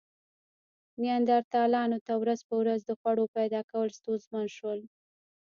نیاندرتالانو ته ورځ په ورځ د خوړو پیدا کول ستونزمن شول.